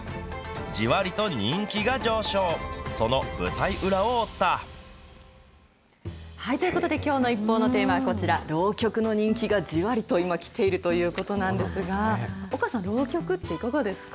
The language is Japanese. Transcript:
じわりと人気が上昇。ということできょうのＩＰＰＯＵのテーマはこちら、浪曲の人気がじわりと今、きているということなんですが、丘さん、浪曲っていかがですか。